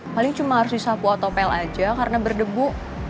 paling cuma harus disapu otopel aja karena berdebu